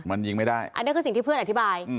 มันยิงไม่ได้อันนี้คือสิ่งที่เพื่อนอธิบาย